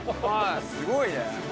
すごいね。